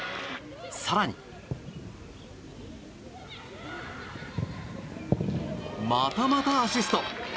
更に、またまたアシスト！